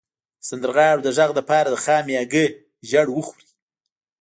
د سندرغاړو د غږ لپاره د خامې هګۍ ژیړ وخورئ